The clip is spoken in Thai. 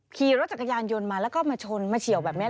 ขี่รถจักรยานยนต์มาแล้วก็มาชนมาเฉียวแบบนี้